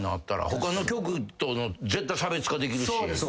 他の局との絶対差別化できるし。